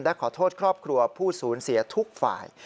และขอโทษครอบครัวผู้สูญเสียทุกฝ่าย